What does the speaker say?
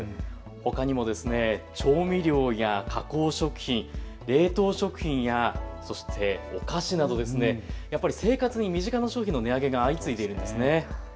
ほかにも調味料や加工食品、冷凍食品やそしてお菓子などやっぱり生活に身近な商品の値上げが相次いでいるんですね。